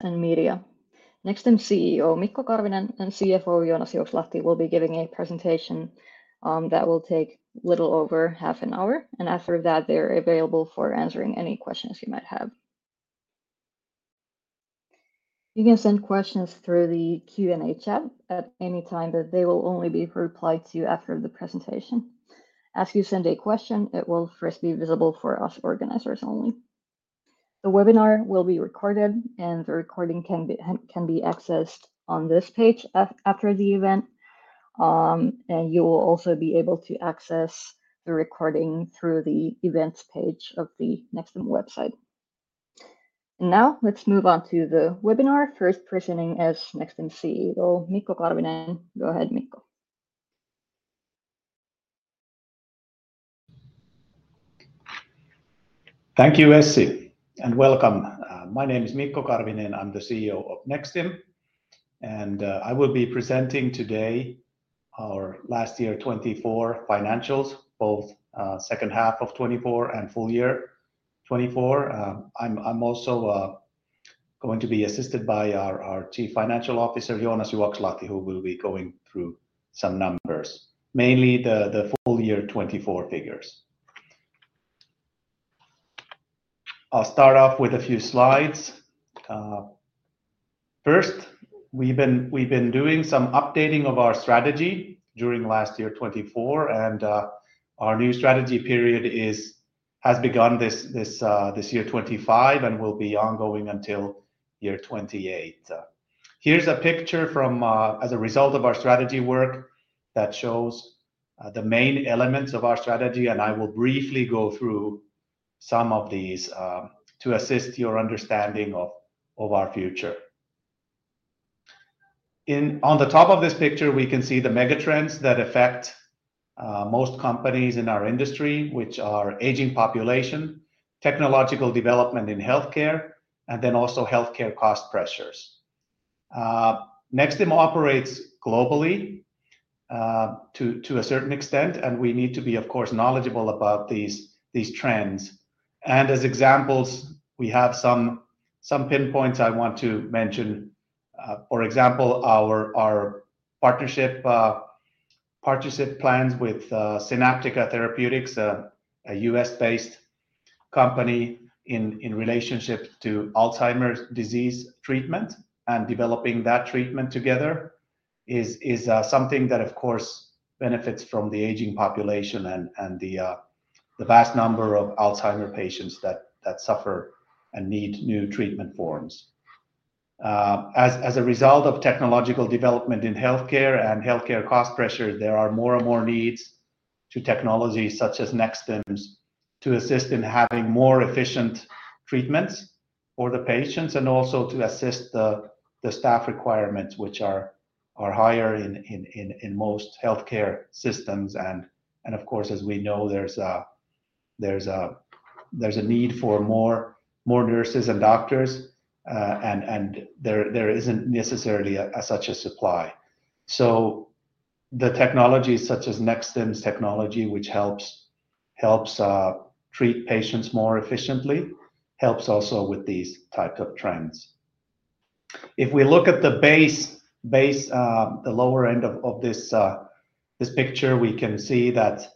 Next, Nexstim CEO Mikko Karvinen and CFO Joonas Juokslahti will be giving a presentation that will take a little over half an hour. After that, they are available for answering any questions you might have. You can send questions through the Q&A chat at any time, but they will only be replied to after the presentation. As you send a question, it will first be visible for us organizers only. The webinar will be recorded, and the recording can be accessed on this page after the event. You will also be able to access the recording through the events page of the Nexstim website. Now let's move on to the webinar, first presenting as Nexstim CEO. Mikko Karvinen, go ahead, Mikko. Thank you, Essi, and welcome. My name is Mikko Karvinen. I'm the CEO of Nexstim, and I will be presenting today our last year 2024 financials, both second half of 2024 and full year 2024. I'm also going to be assisted by our Chief Financial Officer, Joonas Juokslahti, who will be going through some numbers, mainly the full year 2024 figures. I'll start off with a few slides. First, we've been doing some updating of our strategy during last year 2024, and our new strategy period has begun this year 2025 and will be ongoing until year 2028. Here's a picture as a result of our strategy work that shows the main elements of our strategy, and I will briefly go through some of these to assist your understanding of our future. On the top of this picture, we can see the megatrends that affect most companies in our industry, which are aging population, technological development in healthcare, and also healthcare cost pressures. Nexstim operates globally to a certain extent, and we need to be, of course, knowledgeable about these trends. As examples, we have some pinpoints I want to mention. For example, our partnership plans with Sinaptica Therapeutics, a U.S.-based company in relationship to Alzheimer's disease treatment and developing that treatment together is something that, of course, benefits from the aging population and the vast number of Alzheimer's patients that suffer and need new treatment forms. As a result of technological development in healthcare and healthcare cost pressures, there are more and more needs to technologies such as Nexstim's to assist in having more efficient treatments for the patients and also to assist the staff requirements, which are higher in most healthcare systems. Of course, as we know, there's a need for more nurses and doctors, and there isn't necessarily such a supply. Technologies such as Nexstim's technology, which helps treat patients more efficiently, helps also with these types of trends. If we look at the lower end of this picture, we can see that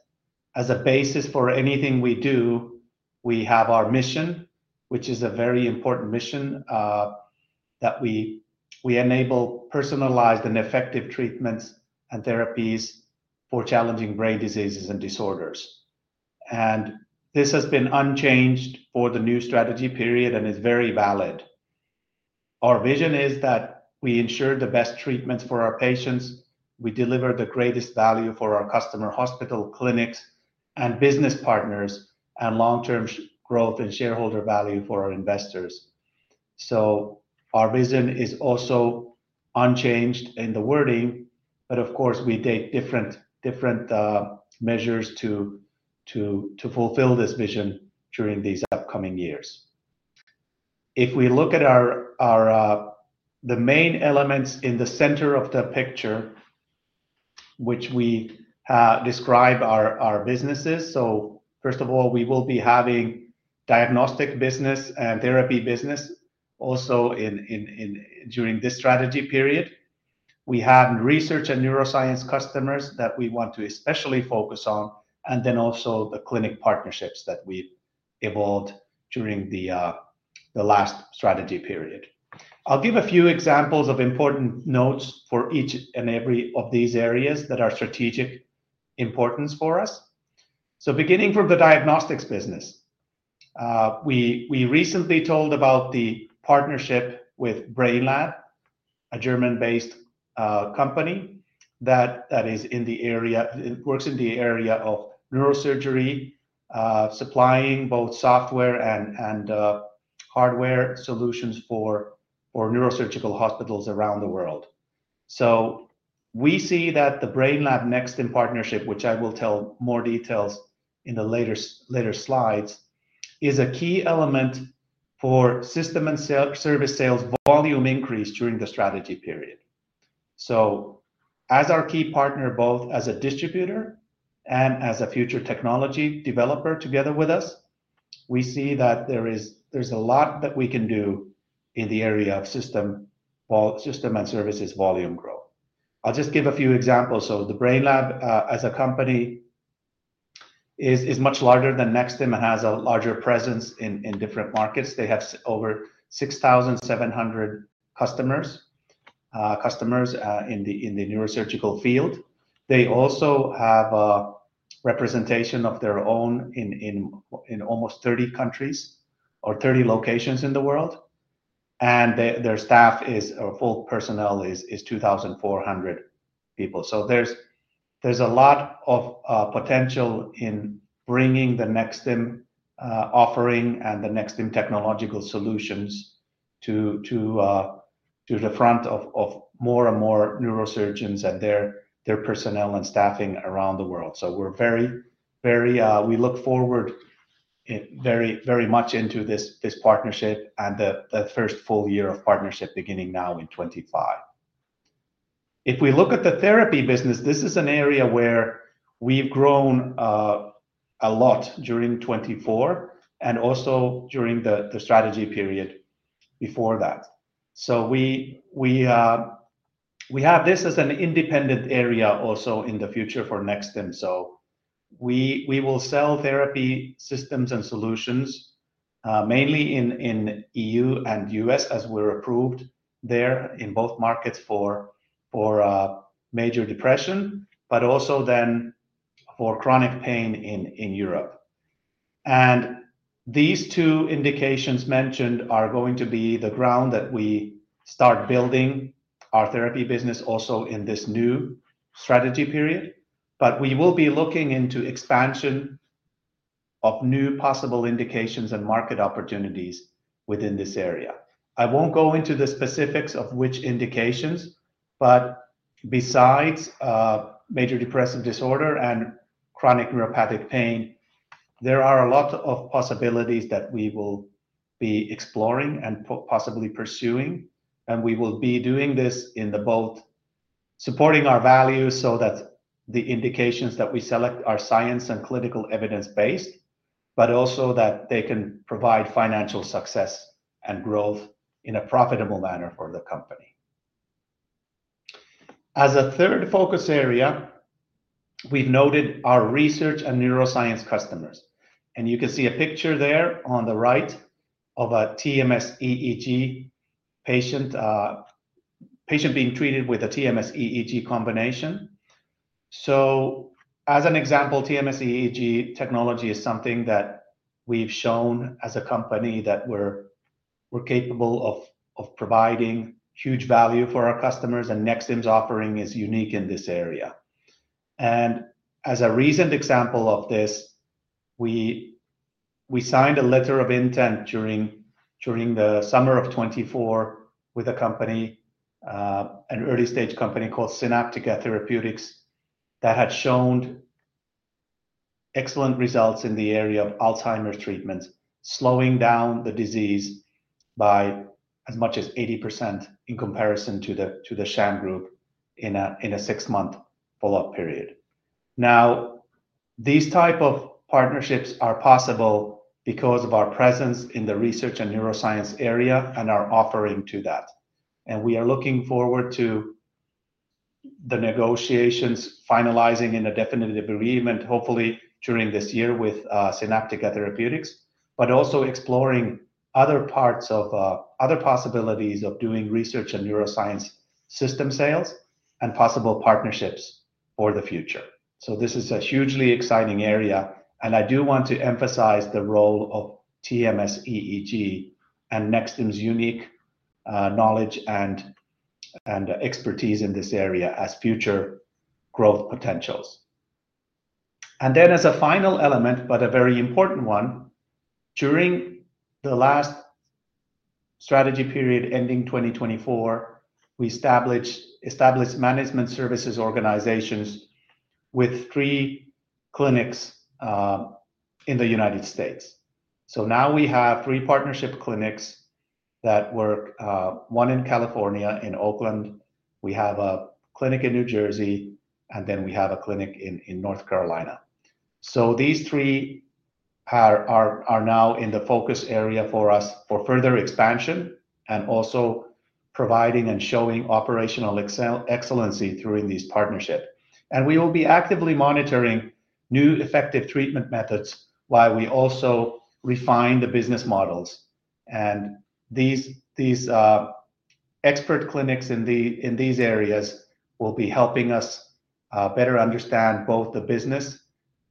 as a basis for anything we do, we have our mission, which is a very important mission, that we enable personalized and effective treatments and therapies for challenging brain diseases and disorders. This has been unchanged for the new strategy period and is very valid. Our vision is that we ensure the best treatments for our patients. We deliver the greatest value for our customer, hospital, clinics, and business partners, and long-term growth and shareholder value for our investors. Our vision is also unchanged in the wording, but of course, we take different measures to fulfill this vision during these upcoming years. If we look at the main elements in the center of the picture, which we describe our businesses. First of all, we will be having diagnostic business and therapy business also during this strategy period. We have research and neuroscience customers that we want to especially focus on, and then also the clinic partnerships that we evolved during the last strategy period. I'll give a few examples of important notes for each and every of these areas that are strategic importance for us. Beginning from the Diagnostics business, we recently told about the partnership with Brainlab, a German-based company that works in the area of neurosurgery, supplying both software and hardware solutions for neurosurgical hospitals around the world. We see that the Brainlab Nexstim partnership, which I will tell more details in the later slides, is a key element for system and service sales volume increase during the strategy period. As our key partner, both as a distributor and as a future technology developer together with us, we see that there is a lot that we can do in the area of system and services volume growth. I'll just give a few examples. Brainlab, as a company, is much larger than Nexstim and has a larger presence in different markets. They have over 6,700 customers in the neurosurgical field. They also have a representation of their own in almost 30 countries or 30 locations in the world. Their staff, or full personnel, is 2,400 people. There is a lot of potential in bringing the Nexstim offering and the Nexstim technological solutions to the front of more and more neurosurgeons and their personnel and staffing around the world. We look forward very much into this partnership and the first full year of partnership beginning now in 2025. If we look at the therapy business, this is an area where we have grown a lot during 2024 and also during the strategy period before that. We have this as an independent area also in the future for Nexstim. We will sell therapy systems and solutions mainly in the EU and U.S. as we're approved there in both markets for major depression, but also then for chronic pain in Europe. These two indications mentioned are going to be the ground that we start building our therapy business also in this new strategy period. We will be looking into expansion of new possible indications and market opportunities within this area. I won't go into the specifics of which indications, but besides major depressive disorder and chronic neuropathic pain, there are a lot of possibilities that we will be exploring and possibly pursuing. We will be doing this in both supporting our values so that the indications that we select are science and clinical evidence-based, but also that they can provide financial success and growth in a profitable manner for the company. As a third focus area, we've noted our research and neuroscience customers. You can see a picture there on the right of a TMS-EEG patient being treated with a TMS-EEG combination. As an example, TMS-EEG technology is something that we've shown as a company that we're capable of providing huge value for our customers, and Nexstim's offering is unique in this area. As a recent example of this, we signed a letter of intent during the summer of 2024 with an early-stage company called Sinaptica Therapeutics that had shown excellent results in the area of Alzheimer's treatments, slowing down the disease by as much as 80% in comparison to the Sham group in a six-month follow-up period. These types of partnerships are possible because of our presence in the research and neuroscience area and our offering to that. We are looking forward to the negotiations finalizing in a definitive agreement, hopefully during this year with Sinaptica Therapeutics, but also exploring other parts of other possibilities of doing research and neuroscience system sales and possible partnerships for the future. This is a hugely exciting area. I do want to emphasize the role of TMS-EEG and Nexstim's unique knowledge and expertise in this area as future growth potentials. As a final element, but a very important one, during the last strategy period ending 2024, we established management services organizations with three clinics in the U.S. Now we have three partnership clinics that work, one in California, in Oakland. We have a clinic in New Jersey, and then we have a clinic in North Carolina. These three are now in the focus area for us for further expansion and also providing and showing operational excellency through these partnerships. We will be actively monitoring new effective treatment methods while we also refine the business models. These expert clinics in these areas will be helping us better understand both the business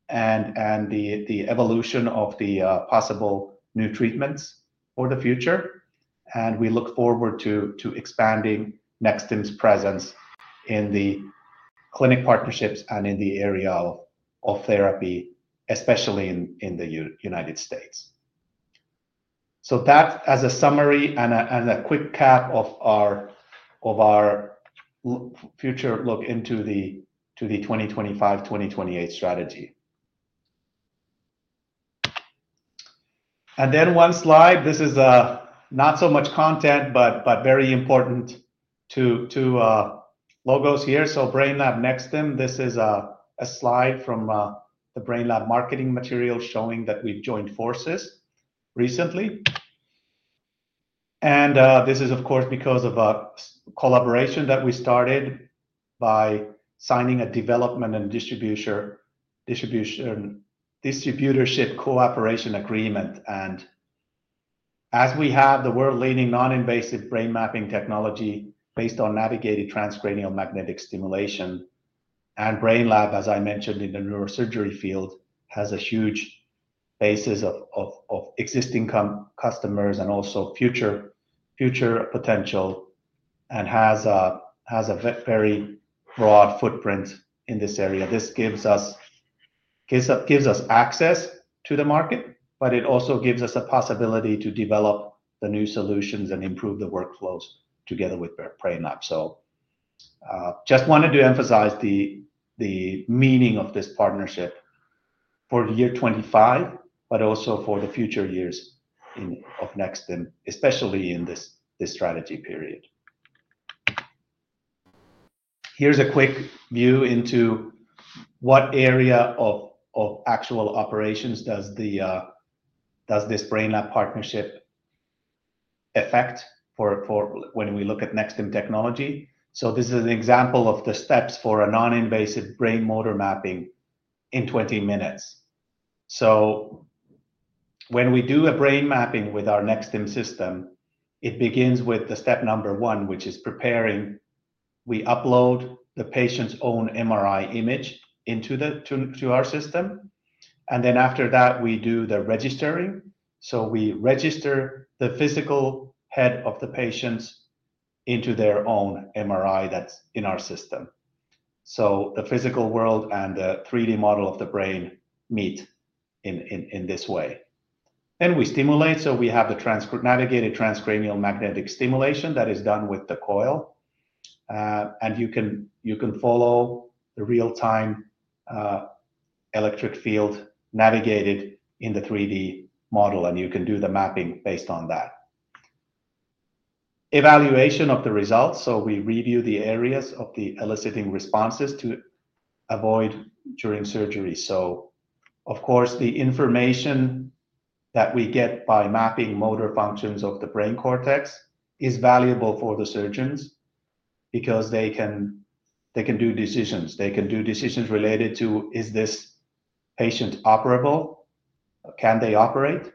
and the evolution of the possible new treatments for the future. We look forward to expanding Nexstim's presence in the clinic partnerships and in the area of therapy, especially in the United States. That as a summary and a quick cap of our future look into the 2025-2028 strategy. One slide, this is not so much content, but very important to logos here. Brainlab Nexstim, this is a slide from the Brainlab marketing material showing that we've joined forces recently. This is, of course, because of a collaboration that we started by signing a development and distribution distributorship cooperation agreement. As we have the world-leading non-invasive brain mapping technology based on navigated transcranial magnetic stimulation, and Brainlab, as I mentioned, in the neurosurgery field has a huge basis of existing customers and also future potential and has a very broad footprint in this area. This gives us access to the market, but it also gives us a possibility to develop the new solutions and improve the workflows together with Brainlab. I just wanted to emphasize the meaning of this partnership for the year 2025, but also for the future years of Nexstim, especially in this strategy period. Here's a quick view into what area of actual operations this Brainlab partnership affects when we look at Nexstim technology. This is an example of the steps for a non-invasive brain motor mapping in 20 minutes. When we do a brain mapping with our Nexstim system, it begins with step number one, which is preparing. We upload the patient's own MRI image into our system. After that, we do the registering. We register the physical head of the patient into their own MRI that is in our system. The physical world and the 3D model of the brain meet in this way. We stimulate. We have the navigated transcranial magnetic stimulation that is done with the coil. You can follow the real-time electric field navigated in the 3D model, and you can do the mapping based on that. Evaluation of the results. We review the areas of the eliciting responses to avoid during surgery. Of course, the information that we get by mapping motor functions of the brain cortex is valuable for the surgeons because they can do decisions. They can do decisions related to, is this patient operable? Can they operate?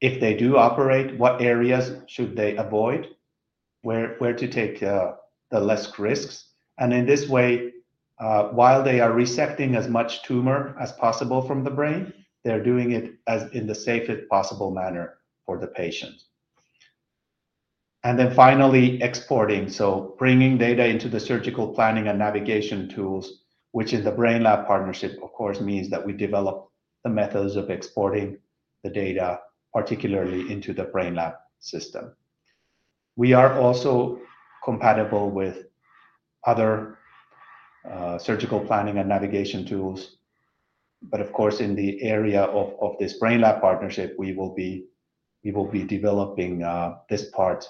If they do operate, what areas should they avoid? Where to take the less risks? In this way, while they are resecting as much tumor as possible from the brain, they're doing it in the safest possible manner for the patient. Finally, exporting. Bringing data into the surgical planning and navigation tools, which in the Brainlab partnership, of course, means that we develop the methods of exporting the data, particularly into the Brainlab system. We are also compatible with other surgical planning and navigation tools. Of course, in the area of this Brainlab partnership, we will be developing this part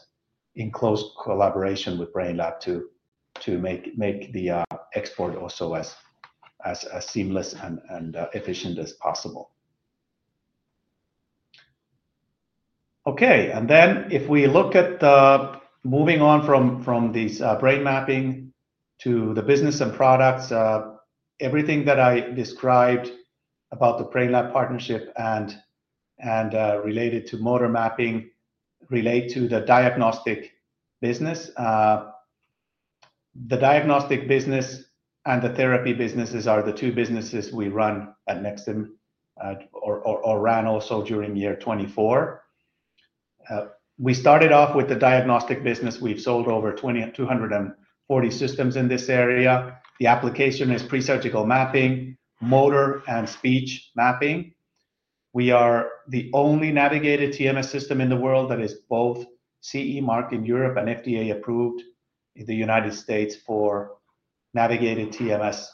in close collaboration with Brainlab to make the export also as seamless and efficient as possible. Okay. If we look at moving on from this brain mapping to the business and products, everything that I described about the Brainlab partnership and related to motor mapping relate to the diagnostic business. The Diagnostic business and the Therapy businesses are the two businesses we run at Nexstim or ran also during year 2024. We started off with the diagnostic business. We've sold over 240 systems in this area. The application is presurgical mapping, motor, and speech mapping. We are the only navigated TMS system in the world that is both CE marked in Europe and FDA approved in the United States for navigated TMS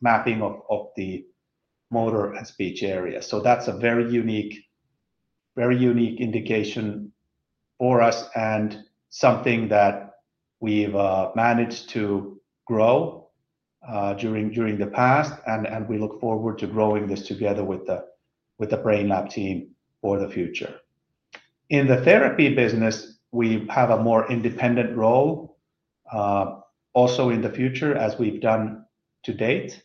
mapping of the motor and speech area. That is a very unique indication for us and something that we have managed to grow during the past. We look forward to growing this together with the Brainlab team for the future. In the therapy business, we have a more independent role also in the future as we have done to date.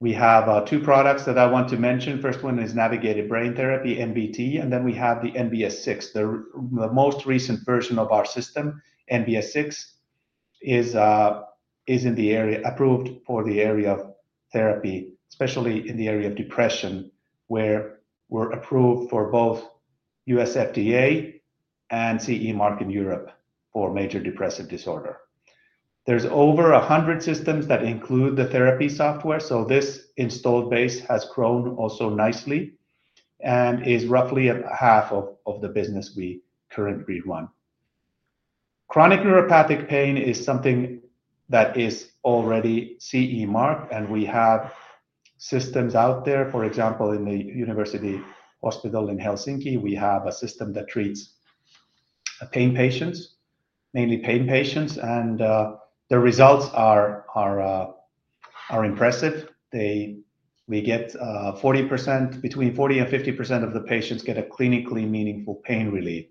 We have two products that I want to mention. The first one is navigated brain therapy, NBT. Then we have the NBS 6. The most recent version of our system, NBS 6, is approved for the area of therapy, especially in the area of depression, where we are approved for both US FDA and CE marked in Europe for major depressive disorder. There are over 100 systems that include the therapy software. This installed base has grown also nicely and is roughly half of the business we currently run. Chronic neuropathic pain is something that is already CE marked. We have systems out there. For example, in the university hospital in Helsinki, we have a system that treats pain patients, mainly pain patients. The results are impressive. We get between 40%-50% of the patients get a clinically meaningful pain relief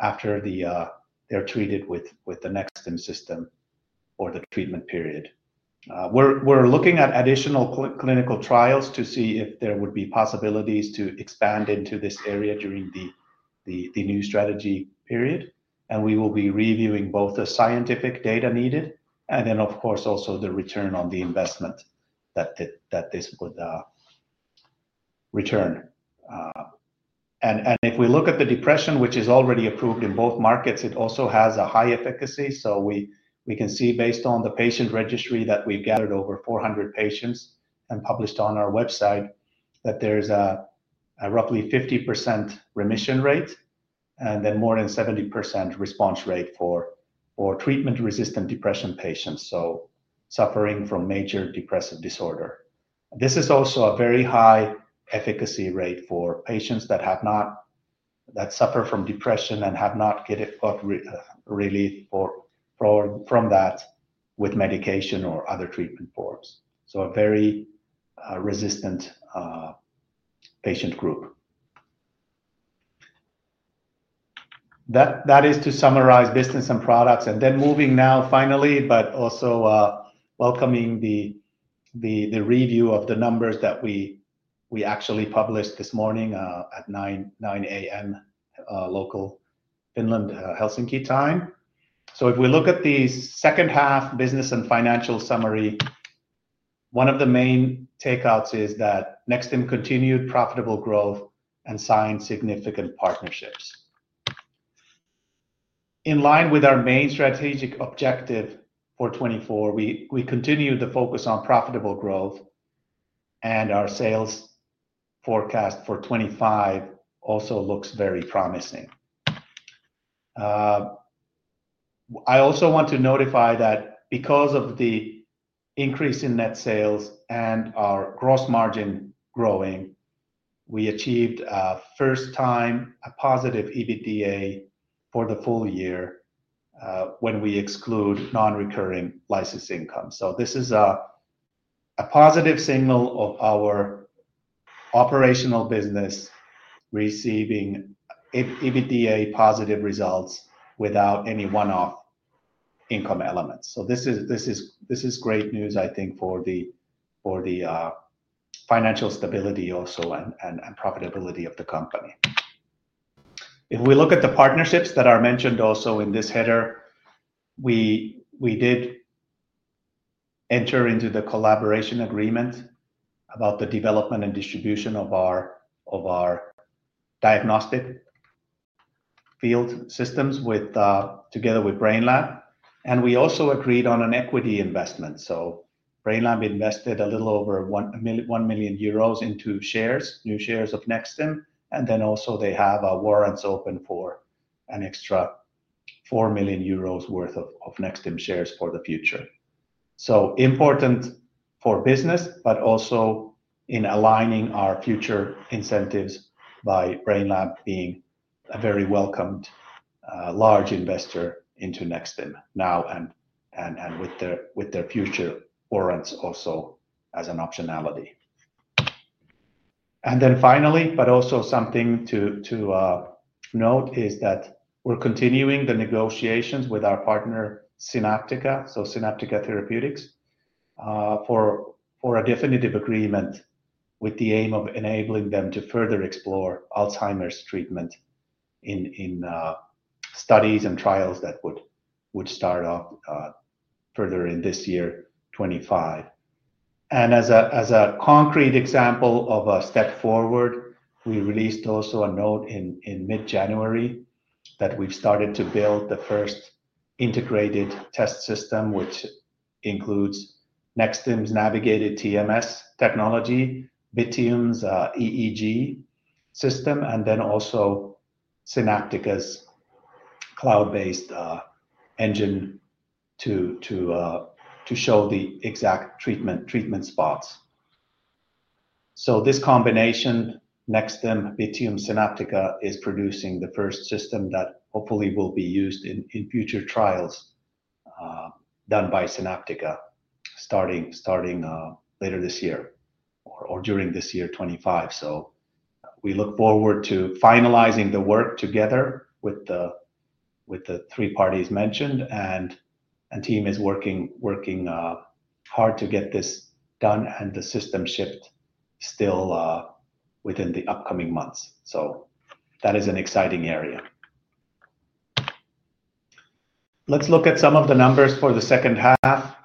after they're treated with the Nexstim system for the treatment period. We're looking at additional clinical trials to see if there would be possibilities to expand into this area during the new strategy period. We will be reviewing both the scientific data needed and then, of course, also the return on the investment that this would return. If we look at the depression, which is already approved in both markets, it also has a high efficacy. We can see based on the patient registry that we've gathered over 400 patients and published on our website that there's a roughly 50% remission rate and then more than 70% response rate for treatment-resistant depression patients, so suffering from major depressive disorder. This is also a very high efficacy rate for patients that suffer from depression and have not got relief from that with medication or other treatment forms. A very resistant patient group. That is to summarize business and products. Moving now finally, but also welcoming the review of the numbers that we actually published this morning at 9:00 A.M. local Finland, Helsinki time. If we look at the second half business and financial summary, one of the main takeouts is that Nexstim continued profitable growth and signed significant partnerships. In line with our main strategic objective for 2024, we continue to focus on profitable growth, and our sales forecast for 2025 also looks very promising. I also want to notify that because of the increase in net sales and our gross margin growing, we achieved first-time a positive EBITDA for the full year when we exclude non-recurring license income. This is a positive signal of our operational business receiving EBITDA positive results without any one-off income elements. This is great news, I think, for the financial stability also and profitability of the company. If we look at the partnerships that are mentioned also in this header, we did enter into the collaboration agreement about the development and distribution of our diagnostic field systems together with Brainlab. We also agreed on an equity investment. Brainlab invested a little over 1 million euros into shares, new shares of Nexstim. They also have warrants open for an extra 4 million euros worth of Nexstim shares for the future. This is important for business, but also in aligning our future incentives by Brainlab being a very welcomed large investor into Nexstim now and with their future warrants also as an optionality. Finally, something to note is that we're continuing the negotiations with our partner Sinaptica, so Sinaptica Therapeutics, for a definitive agreement with the aim of enabling them to further explore Alzheimer's treatment in studies and trials that would start off further in this year, 2025. As a concrete example of a step forward, we released also a note in mid-January that we've started to build the first integrated test system, which includes Nexstim's navigated TMS technology, Bittium's EEG system, and then also Sinaptica's cloud-based engine to show the exact treatment spots. This combination, Nexstim, Bittium, Sinaptica, is producing the first system that hopefully will be used in future trials done by Sinaptica starting later this year or during this year, 2025. We look forward to finalizing the work together with the three parties mentioned. The team is working hard to get this done and the system shipped still within the upcoming months. That is an exciting area. Let's look at some of the numbers for the second half.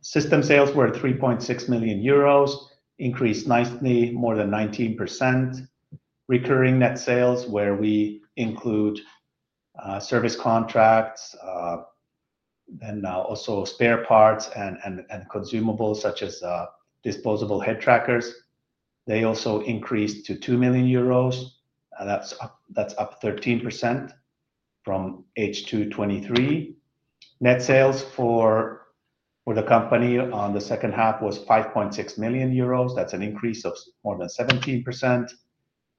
System sales were 3.6 million euros, increased nicely, more than 19%. Recurring net sales, where we include service contracts, then also spare parts and consumables such as disposable head trackers. They also increased to 2 million euros. That's up 13% from H2 2023. Net sales for the company on the second half was 5.6 million euros. That's an increase of more than 17%.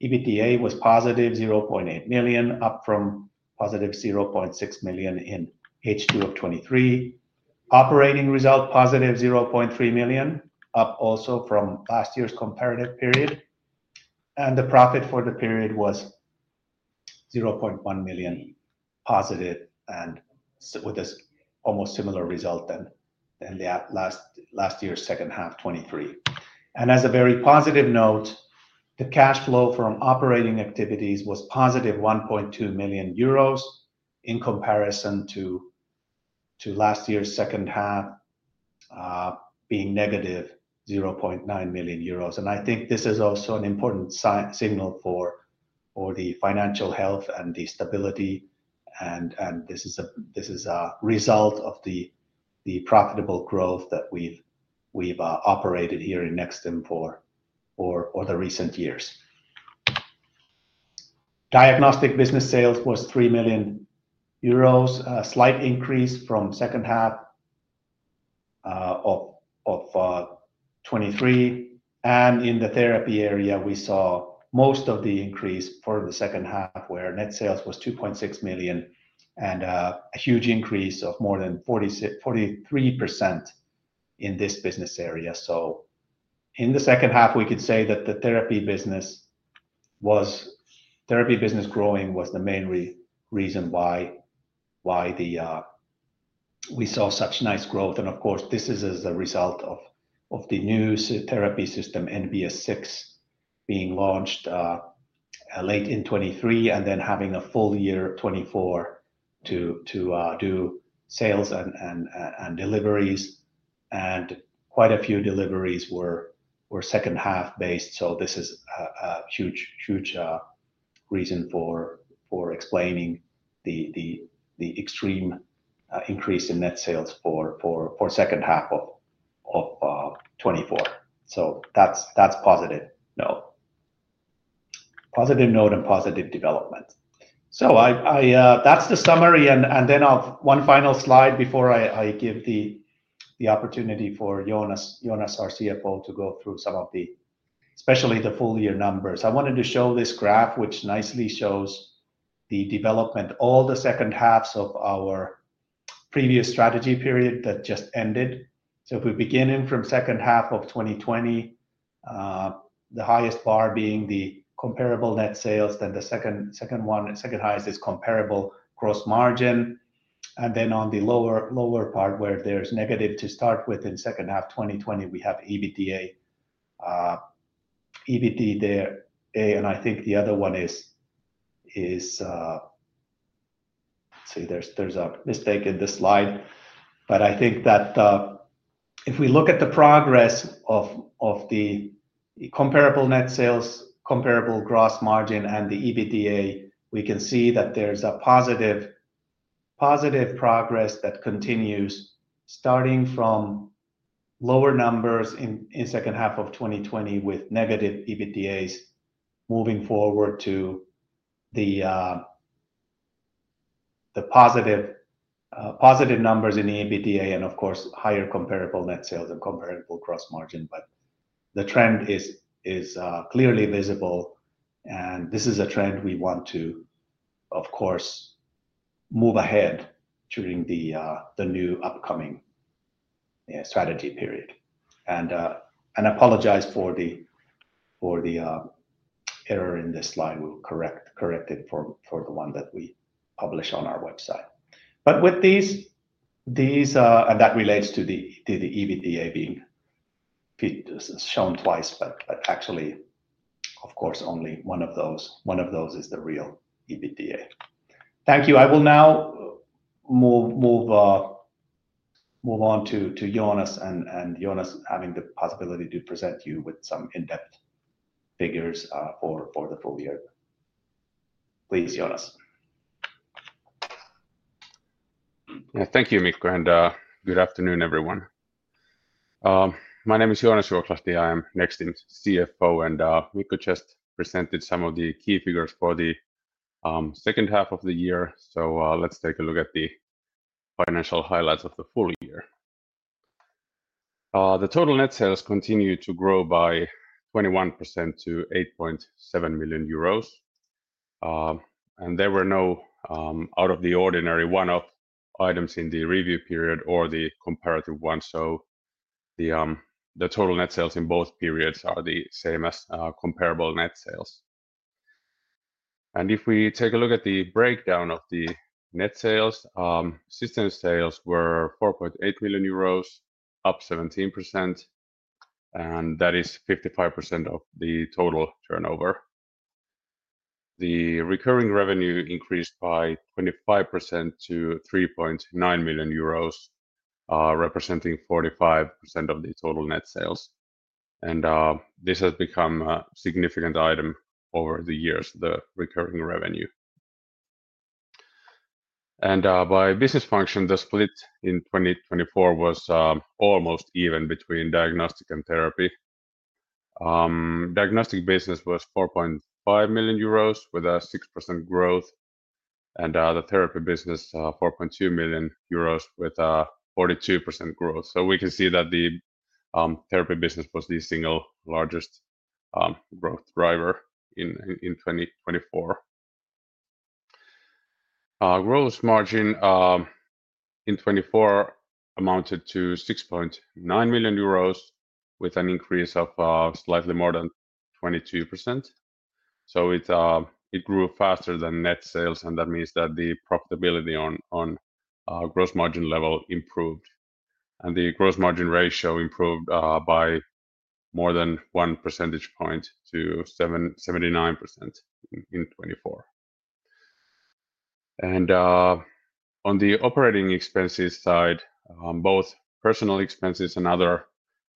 EBITDA was positive, 0.8 million, up from positive 0.6 million in H2 of 2023. Operating result positive, 0.3 million, up also from last year's comparative period. The profit for the period was 0.1 million, positive and with an almost similar result than last year's second half, 2023. As a very positive note, the cash flow from operating activities was positive, 1.2 million euros in comparison to last year's second half being negative, 0.9 million euros. I think this is also an important signal for the financial health and the stability. This is a result of the profitable growth that we've operated here in Nexstim for the recent years. Diagnostic business sales was 3 million euros, a slight increase from second half of 2023. In the therapy area, we saw most of the increase for the second half, where net sales was 2.6 million and a huge increase of more than 43% in this business area. In the second half, we could say that the therapy business growing was the main reason why we saw such nice growth. Of course, this is as a result of the new therapy system, NBS 6, being launched late in 2023 and then having a full year 2024 to do sales and deliveries. Quite a few deliveries were second half based. This is a huge reason for explaining the extreme increase in net sales for second half of 2024. That is positive note. Positive note and positive development. That is the summary. One final slide before I give the opportunity for Joonas, our CFO, to go through some of the, especially the full year numbers. I wanted to show this graph, which nicely shows the development, all the second halves of our previous strategy period that just ended. If we begin in from second half of 2020, the highest bar being the comparable net sales, then the second highest is comparable gross margin. On the lower part, where there is negative to start with in second half 2020, we have EBITDA there. I think the other one is, let us see, there is a mistake in the slide. I think that if we look at the progress of the comparable net sales, comparable gross margin, and the EBITDA, we can see that there's a positive progress that continues starting from lower numbers in the second half of 2020 with negative EBITDAs moving forward to the positive numbers in EBITDA and, of course, higher comparable net sales and comparable gross margin. The trend is clearly visible. This is a trend we want to, of course, move ahead during the new upcoming strategy period. I apologize for the error in this slide. We'll correct it for the one that we publish on our website. With these, and that relates to the EBITDA being shown twice, but actually, of course, only one of those is the real EBITDA. Thank you. I will now move on to Joonas and Joonas having the possibility to present you with some in-depth figures for the full year. Please, Joonas. Thank you, Mikko, and good afternoon, everyone. My name is Joonas Juokslahti. I am Nexstim's CFO. Mikko just presented some of the key figures for the second half of the year. Let us take a look at the financial highlights of the full year. The total net sales continued to grow by 21% to 8.7 million euros. There were no out-of-the-ordinary one-off items in the review period or the comparative one. The total net sales in both periods are the same as comparable net sales. If we take a look at the breakdown of the net sales, system sales were 4.8 million euros, up 17%. That is 55% of the total turnover. The recurring revenue increased by 25% to 3.9 million euros, representing 45% of the total net sales. This has become a significant item over the years, the recurring revenue. By business function, the split in 2024 was almost even between diagnostic and therapy. Diagnostic business was 4.5 million euros with a 6% growth. The therapy business, 4.2 million euros with a 42% growth. We can see that the therapy business was the single largest growth driver in 2024. Gross margin in 2024 amounted to 6.9 million euros with an increase of slightly more than 22%. It grew faster than net sales. That means that the profitability on gross margin level improved. The gross margin ratio improved by more than 1 percentage point to 79% in 2024. On the operating expenses side, both personnel expenses and other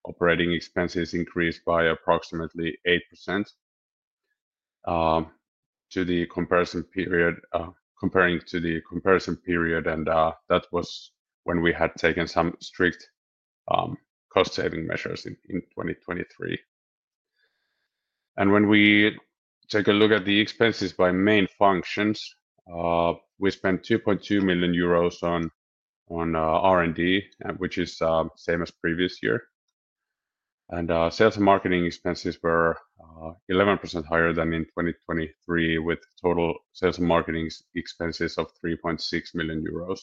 operating expenses increased by approximately 8% compared to the comparison period. That was when we had taken some strict cost-saving measures in 2023. When we take a look at the expenses by main functions, we spent 2.2 million euros on R&D, which is the same as the previous year. Sales and marketing expenses were 11% higher than in 2023, with total sales and marketing expenses of 3.6 million euros.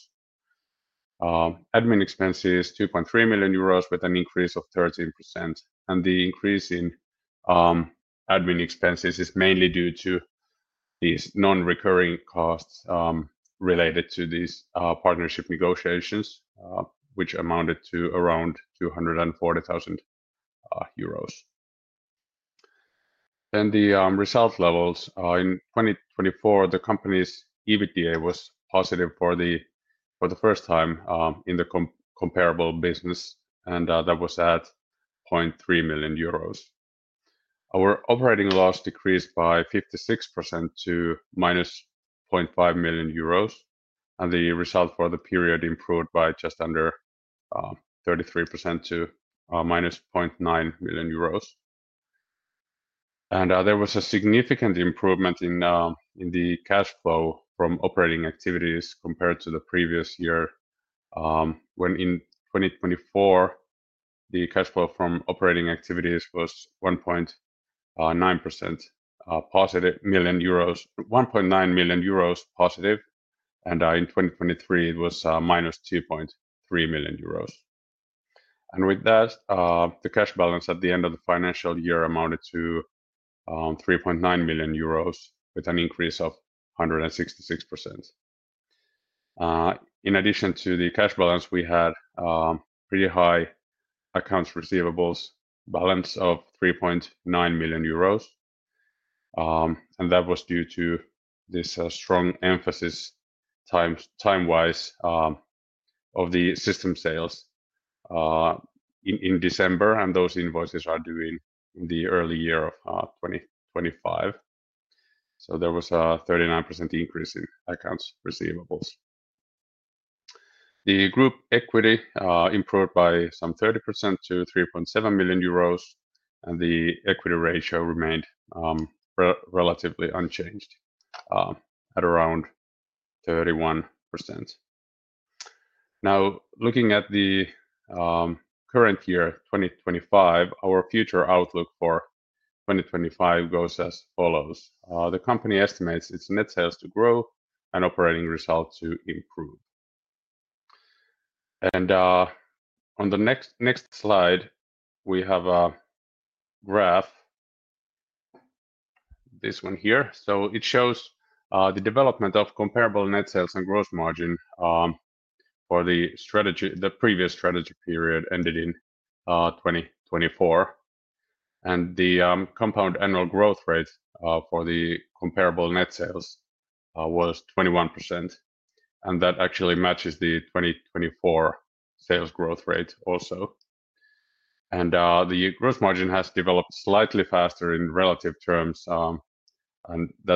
Admin expenses were 2.3 million euros with an increase of 13%. The increase in admin expenses is mainly due to these non-recurring costs related to these partnership negotiations, which amounted to around 240,000 euros. The result levels in 2024, the company's EBITDA was positive for the first time in the comparable business. That was at 0.3 million euros. Our operating loss decreased by 56% to minus 0.5 million euros. The result for the period improved by just under 33% to minus 0.9 million euros. There was a significant improvement in the cash flow from operating activities compared to the previous year when in 2024, the cash flow from operating activities was 1.9 million euros, 1.9 million euros positive. In 2023, it was minus 2.3 million euros. With that, the cash balance at the end of the financial year amounted to 3.9 million euros with an increase of 166%. In addition to the cash balance, we had a pretty high accounts receivables balance of 3.9 million euros. That was due to this strong emphasis time-wise of the system sales in December. Those invoices are due in the early year of 2025. There was a 39% increase in accounts receivables. The group equity improved by some 30% to 3.7 million euros. The equity ratio remained relatively unchanged at around 31%. Now, looking at the current year, 2025, our future outlook for 2025 goes as follows. The company estimates its net sales to grow and operating result to improve. On the next slide, we have a graph, this one here. It shows the development of comparable net sales and gross margin for the previous strategy period ended in 2024. The compound annual growth rate for the comparable net sales was 21%. That actually matches the 2024 sales growth rate also. The gross margin has developed slightly faster in relative terms. That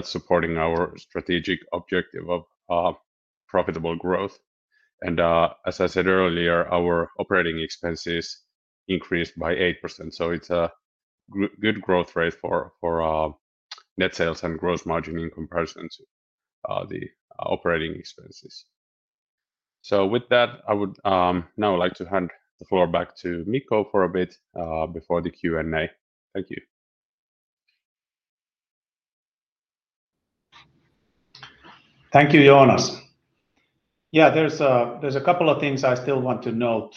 is supporting our strategic objective of profitable growth. As I said earlier, our operating expenses increased by 8%. It's a good growth rate for net sales and gross margin in comparison to the operating expenses. With that, I would now like to hand the floor back to Mikko for a bit before the Q&A. Thank you. Thank you, Jonas. Yeah, there's a couple of things I still want to note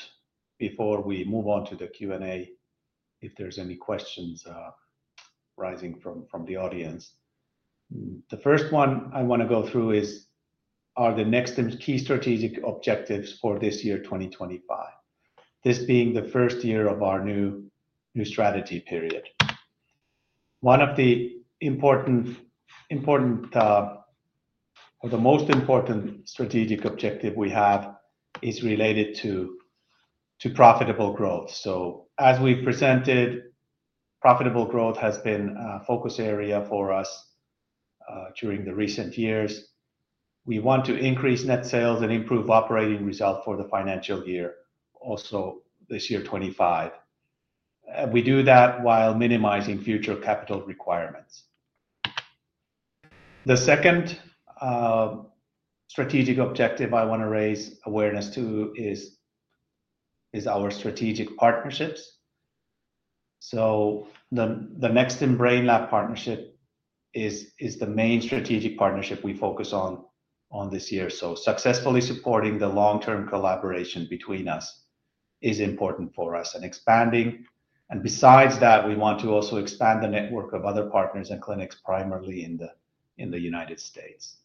before we move on to the Q&A if there's any questions arising from the audience. The first one I want to go through is, are the Nexstim's key strategic objectives for this year, 2025, this being the first year of our new strategy period? One of the important or the most important strategic objective we have is related to profitable growth. As we presented, profitable growth has been a focus area for us during the recent years. We want to increase net sales and improve operating result for the financial year, also this year, 2025. We do that while minimizing future capital requirements. The second strategic objective I want to raise awareness to is our strategic partnerships. The Nexstim Brainlab partnership is the main strategic partnership we focus on this year. Successfully supporting the long-term collaboration between us is important for us and expanding. Besides that, we want to also expand the network of other partners and clinics primarily in the United States.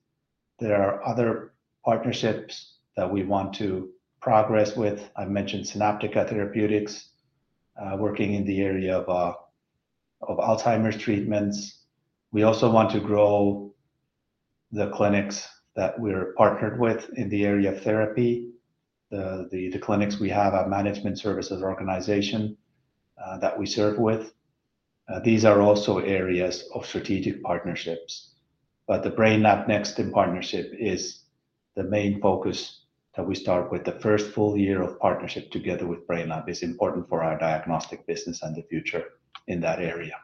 There are other partnerships that we want to progress with. I mentioned Sinaptica Therapeutics working in the area of Alzheimer's treatments. We also want to grow the clinics that we're partnered with in the area of therapy. The clinics we have a management services organization that we serve with. These are also areas of strategic partnerships. The Brainlab Nexstim partnership is the main focus that we start with. The first full year of partnership together with Brainlab is important for our diagnostic business and the future in that area.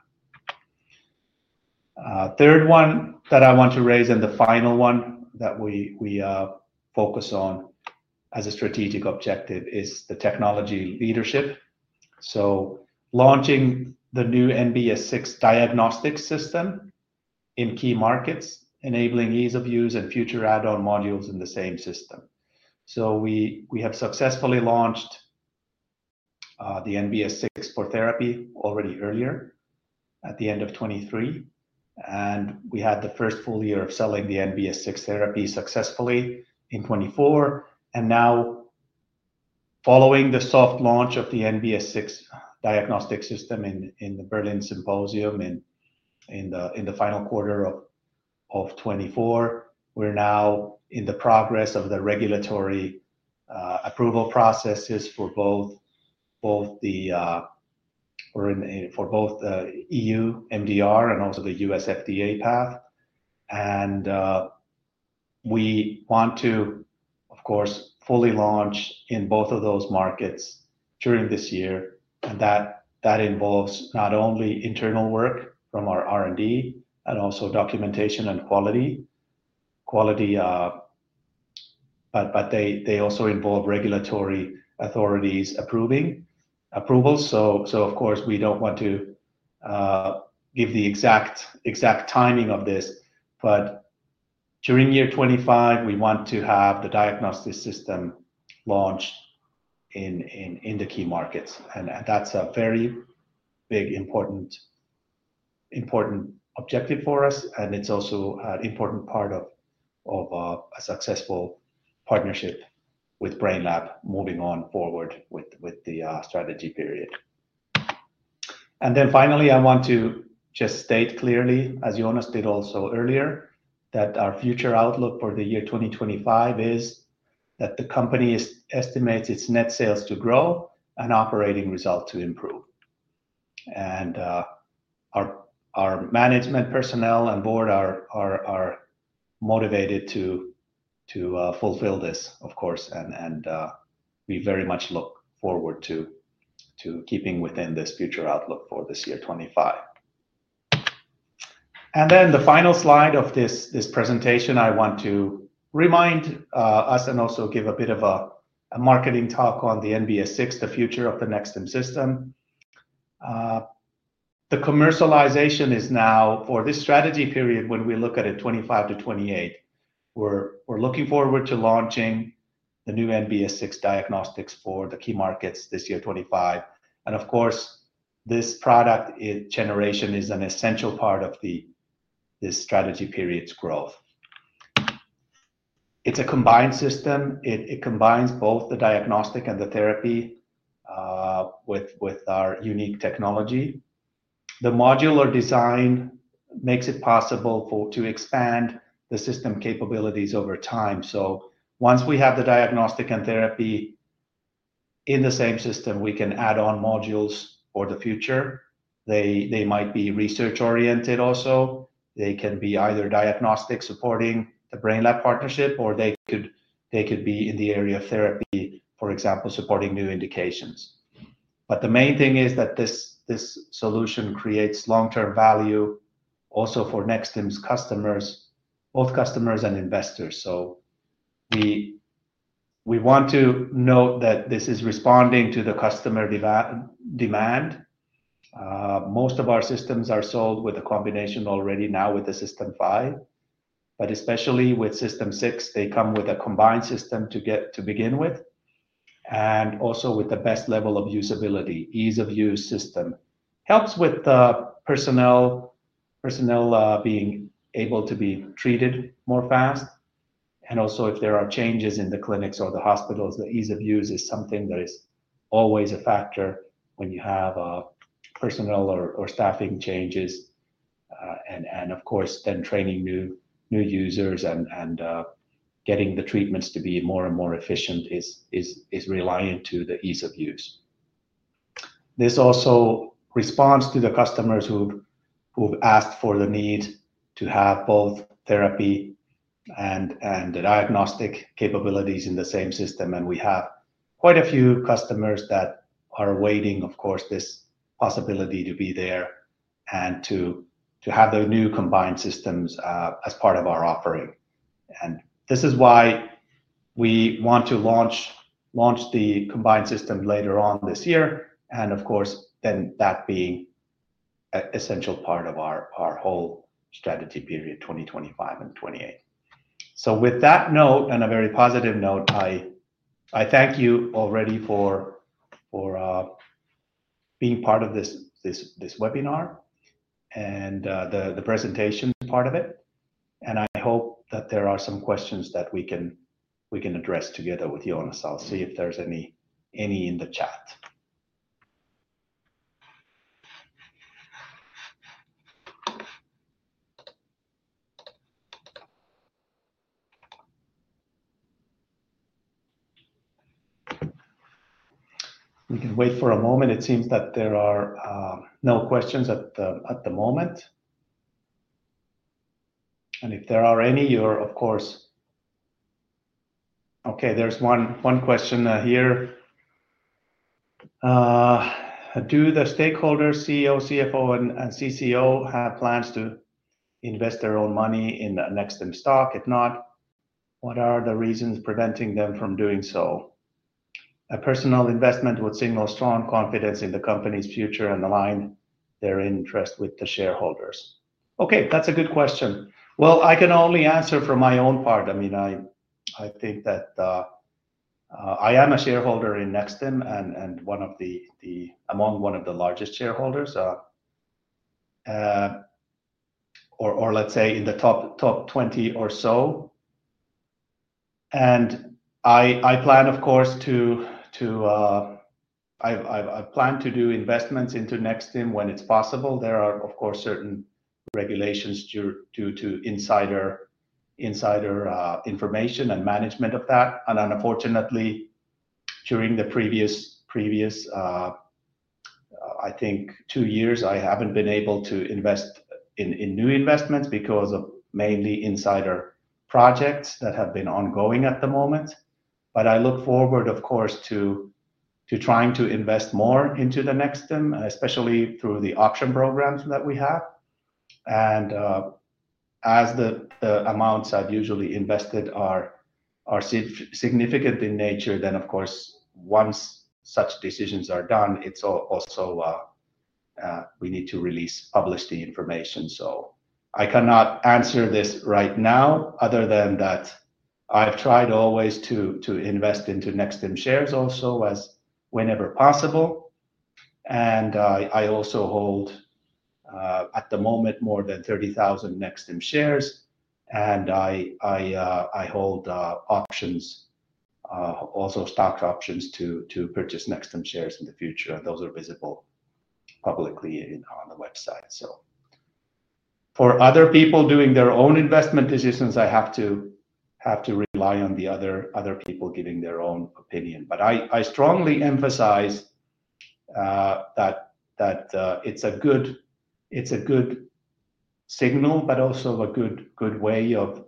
The third one that I want to raise and the final one that we focus on as a strategic objective is the technology leadership. Launching the new NBS 6 diagnostic system in key markets, enabling ease of use and future add-on modules in the same system. We have successfully launched the NBS 6 for therapy already earlier at the end of 2023. We had the first full year of selling the NBS 6 therapy successfully in 2024. Now, following the soft launch of the NBS 6 diagnostic system in the Berlin Symposium in the final quarter of 2024, we are now in the progress of the regulatory approval processes for both the EU MDR and also the U.S. FDA path. We want to, of course, fully launch in both of those markets during this year. That involves not only internal work from our R&D and also documentation and quality. They also involve regulatory authorities' approvals. Of course, we do not want to give the exact timing of this. During year 2025, we want to have the diagnostic system launched in the key markets. That is a very big, important objective for us. It is also an important part of a successful partnership with Brainlab moving forward with the strategy period. Finally, I want to just state clearly, as Jonas did also earlier, that our future outlook for the year 2025 is that the company estimates its net sales to grow and operating result to improve. Our management personnel and board are motivated to fulfill this, of course. We very much look forward to keeping within this future outlook for this year, 2025. The final slide of this presentation, I want to remind us and also give a bit of a marketing talk on the NBS 6, the future of the Nexstim system. The commercialization is now for this strategy period when we look at it, 2025 to 2028. We're looking forward to launching the new NBS 6 diagnostics for the key markets this year, 2025. Of course, this product generation is an essential part of this strategy period's growth. It's a combined system. It combines both the diagnostic and the therapy with our unique technology. The modular design makes it possible to expand the system capabilities over time. Once we have the diagnostic and therapy in the same system, we can add on modules for the future. They might be research-oriented also. They can be either diagnostic supporting the Brainlab partnership, or they could be in the area of therapy, for example, supporting new indications. The main thing is that this solution creates long-term value also for Nexstim's customers, both customers and investors. We want to note that this is responding to the customer demand. Most of our systems are sold with a combination already now with the NBS 5 system. Especially with the NBS 6 system, they come with a combined system to begin with and also with the best level of usability, ease of use system. Helps with personnel being able to be treated more fast. Also, if there are changes in the clinics or the hospitals, the ease of use is something that is always a factor when you have personnel or staffing changes. Of course, then training new users and getting the treatments to be more and more efficient is reliant to the ease of use. This also responds to the customers who've asked for the need to have both therapy and diagnostic capabilities in the same system. We have quite a few customers that are awaiting, of course, this possibility to be there and to have the new combined systems as part of our offering. This is why we want to launch the combined system later on this year. That being an essential part of our whole strategy period, 2025 and 2028. With that note and a very positive note, I thank you already for being part of this webinar and the presentation part of it. I hope that there are some questions that we can address together with Joonas. I'll see if there's any in the chat. We can wait for a moment. It seems that there are no questions at the moment. If there are any, you're, of course, okay, there's one question here. Do the stakeholders, CEO, CFO, and CCO have plans to invest their own money in Nexstim stock? If not, what are the reasons preventing them from doing so? A personal investment would signal strong confidence in the company's future and align their interest with the shareholders. That's a good question. I can only answer for my own part. I mean, I think that I am a shareholder in Nexstim and among one of the largest shareholders, or let's say in the top 20 or so. I plan, of course, to I plan to do investments into Nexstim when it's possible. There are, of course, certain regulations due to insider information and management of that. Unfortunately, during the previous, I think, two years, I haven't been able to invest in new investments because of mainly insider projects that have been ongoing at the moment. I look forward, of course, to trying to invest more into Nexstim, especially through the option programs that we have. As the amounts I've usually invested are significant in nature, once such decisions are done, we need to publish the information. I cannot answer this right now other than that I've tried always to invest into Nexstim shares also whenever possible. I also hold, at the moment, more than 30,000 Nexstim shares. I hold options, also stock options to purchase Nexstim shares in the future. Those are visible publicly on the website. For other people doing their own investment decisions, I have to rely on the other people giving their own opinion. I strongly emphasize that it's a good signal, but also a good way of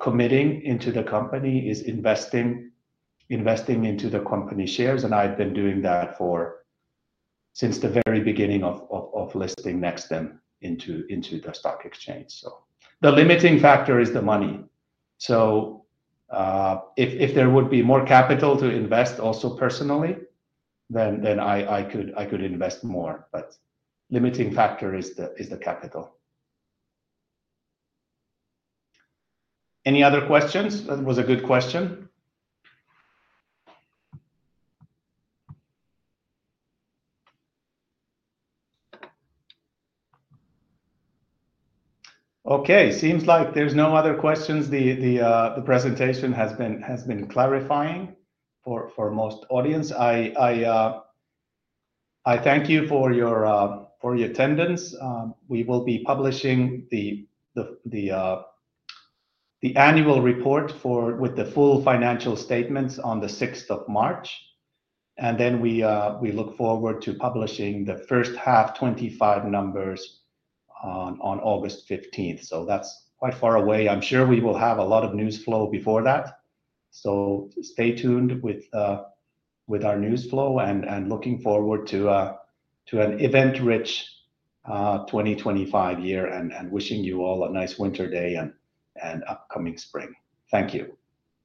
committing into the company is investing into the company shares. I've been doing that since the very beginning of listing Nexstim into the stock exchange. The limiting factor is the money. If there would be more capital to invest also personally, then I could invest more. The limiting factor is the capital. Any other questions? That was a good question. Okay, seems like there's no other questions. The presentation has been clarifying for most audience. I thank you for your attendance. We will be publishing the Annual report with the full Financial statements on the 6th of March. We look forward to publishing the first half 2025 numbers on August 15th. That is quite far away. I am sure we will have a lot of news flow before that. Stay tuned with our news flow and looking forward to an event-rich 2025 year and wishing you all a nice winter day and upcoming spring. Thank you.